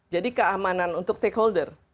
jadi keamanan untuk stakeholder